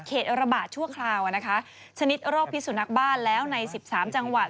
ระบาดชั่วคราวนะคะชนิดโรคพิสุนักบ้านแล้วใน๑๓จังหวัด